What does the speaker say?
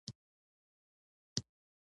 اوښکې اورونه